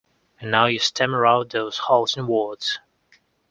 And now you stammer out those halting words.